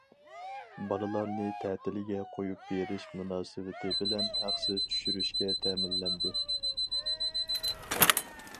بالىلارنى تەتىلگە قۇيۇپ بېرىش مۇناسىۋىتى بىلەن ھەقسىز چۈشۈرۈشكە تەمىنلەندى.